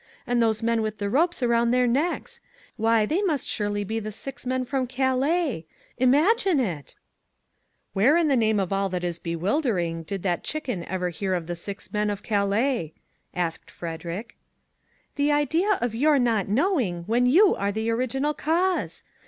And those men with the ropes around their necks? Why they must surely be the six men from Calais ?' Imagine it !"" Where in the name of all that is bewilder ing did that chicken ever hear of the six men of Calais ?" asked Frederick. " The idea of your not knowing, when you are the original cause